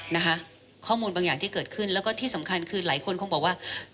นะคะข้อมูลบางอย่างที่เกิดขึ้นแล้วก็ที่สำคัญคือหลายคนคงบอกว่า